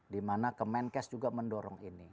dimana kemenkes juga mendorong ini